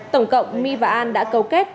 tổng cộng my và an đã cầu kết